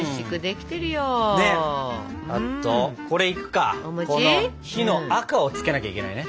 この「日」の赤をつけなきゃいけないね。